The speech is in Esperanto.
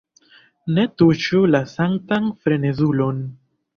Ne tuŝu la sanktan frenezulon!